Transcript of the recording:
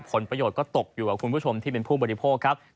ผลประโยชน์ก็ตกอยู่กับคุณผู้ชมที่เป็นผู้บริโภคครับ